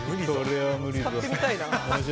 使ってみたいな。